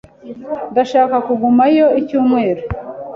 Ndashaka kugumayo icyumweru.